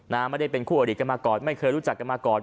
ไม่ได้เป็นคู่อดีตกันมาก่อนไม่เคยรู้จักกันมาก่อน